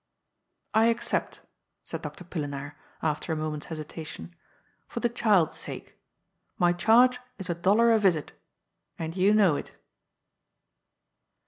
^' I accept," said Doctor Pillenaar, after a moment's hes itation, ^' for the child's sake. My charge is a dollar a visit And you know it."